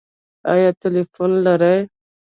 ایا ټیلیفون لرئ؟